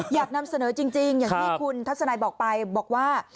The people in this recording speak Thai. อยากนำเสนอจริงอย่างที่คุณทัศนายบอกไปบอกว่า